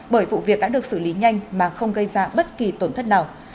bởi vụ việc đã được xử lý nhanh mà không gây ra bất kỳ tổn thất nào